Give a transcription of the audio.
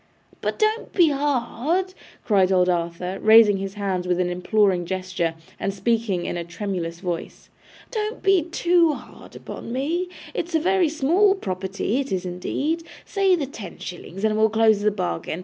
'But don't be hard,' cried old Arthur, raising his hands with an imploring gesture, and speaking, in a tremulous voice. 'Don't be too hard upon me. It's a very small property, it is indeed. Say the ten shillings, and we'll close the bargain.